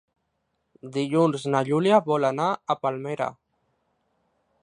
Dilluns na Júlia vol anar a Palmera.